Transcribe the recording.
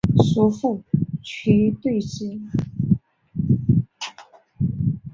叔父瞿兑之。